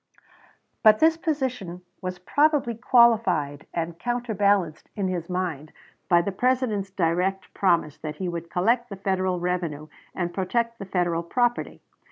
But this position was probably qualified and counterbalanced in his mind by the President's direct promise that he would collect the Federal revenue and protect the Federal property.